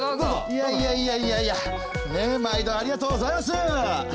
いやいやいやいやいや毎度ありがとうございます。